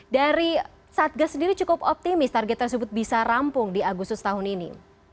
dari satgas sendiri cukup optimis target tersebut bisa rampung di agustus tahun ini